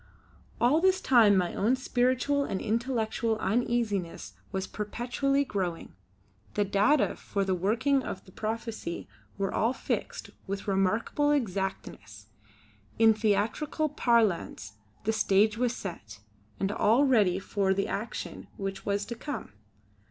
All this time my own spiritual and intellectual uneasiness was perpetually growing. The data for the working of the prophecy were all fixed with remarkable exactness. In theatrical parlance 'the stage was set' and all ready for the action which was to come.